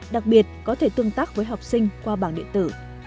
đặc biệt có thể tương tác với học sinh qua bảng điện tử